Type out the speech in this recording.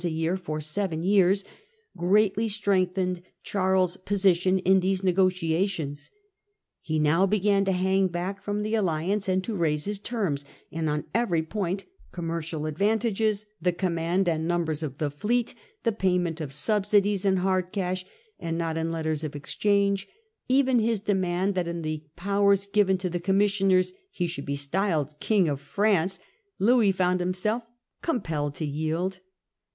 a year for seven years (see p. 173), greatly strengthened Charles's position in these negotia tions. He now began to hang back from the alliance and to raise his terms ; and on every point — commercial advantages, the command and numbers of the fleet, the payment of subsidies in hard cash and not in letters of exchange, even his demand that in the powers given to the commissioners he should be styled * King of France '— Louis found himself compelled to yield.